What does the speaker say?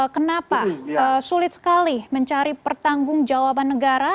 kenapa sulit sekali mencari pertanggung jawaban negara